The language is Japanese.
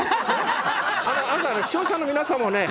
視聴者の皆さんもね